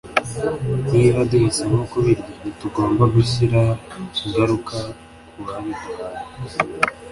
niba duhisemo kubirya ntitugomba gushyira ingaruka ku babiduhaye